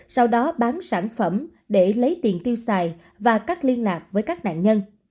sau đó bán sản phẩm để lấy tiền tiêu xài và cắt liên lạc với các nạn nhân